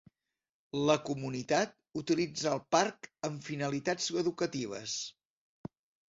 La comunitat utilitza el parc amb finalitats educatives.